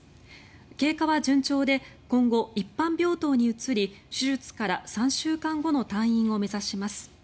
経過は順調で今後、一般病棟に移り手術から３週間後の退院を目指します。